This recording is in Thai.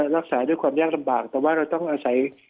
รักษาด้วยความยากลำบากแต่ว่าเราต้องอาศัย